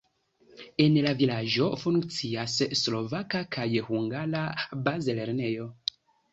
En la vilaĝo funkcias slovaka kaj hungara bazlernejo.